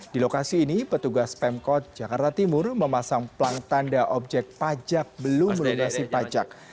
di lokasi ini petugas pemkot jakarta timur memasang pelang tanda objek pajak belum melunasi pajak